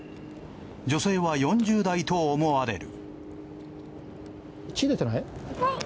女性は４０代と思われる。